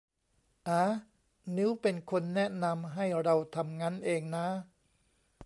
อ๋า นิ้วเป็นคนแนะนำให้เราทำงั้นเองน้า